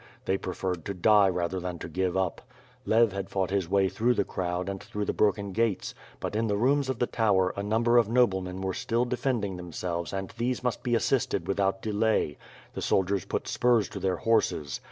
They preferred to die rather than to give up. Lev had fought his way through the crowd and through the broken gates; but in the rooms of the tower a number of noblemen were still defending themselves and these must be assisted without delay. The soldiers put spurs to their horses.